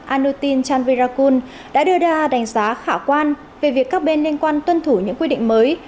an nu tin chan virakul đã đưa ra đánh giá khả quan về việc các bên liên quan tuân thủ những quy định mới